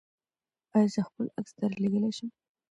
ایا زه خپل عکس درلیږلی شم؟